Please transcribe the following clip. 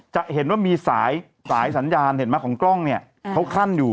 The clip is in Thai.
จะเห็นว่ามีสายสัญญาณของกล้องเขาคั่นอยู่